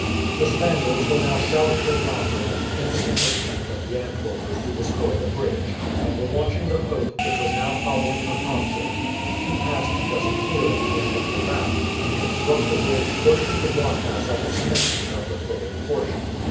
The Spaniards were now shouting with laughter at the impotent attempt of the Antwerpers to destroy the bridge, and were watching the Hope, which was now following her consort. She passed just clear of the end of the raft, and struck the bridge close to the blockhouse at the commencement of the floating portion.